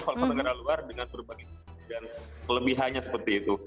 kalau negara luar dengan berbagai kelebihannya seperti itu